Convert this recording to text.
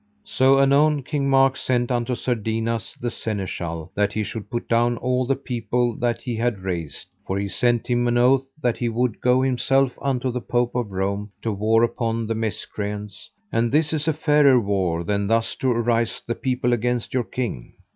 So anon King Mark sent unto Sir Dinas the Seneschal that he should put down all the people that he had raised, for he sent him an oath that he would go himself unto the Pope of Rome to war upon the miscreants; and this is a fairer war than thus to arise the people against your king.